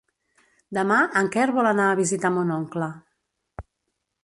Demà en Quer vol anar a visitar mon oncle.